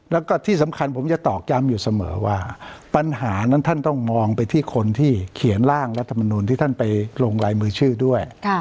แล้วก็ที่สำคัญผมจะตอกย้ำอยู่เสมอว่าปัญหานั้นท่านต้องมองไปที่คนที่เขียนร่างรัฐมนุนที่ท่านไปลงลายมือชื่อด้วย